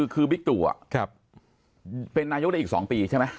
คือบิ๊กตู่เป็นนายกได้อีก๒ปีใช่ไหม